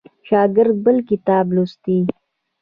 شاګرد بل کتاب لوستی.